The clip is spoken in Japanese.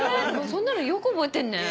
そんなのよく覚えてんね。